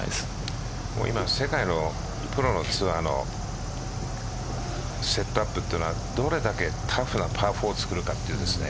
今、世界のプロのツアーのセットアップというのはどれだけタフなパー４をつくるかという。